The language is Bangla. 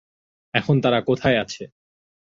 এখন তারা কোথায় আছে?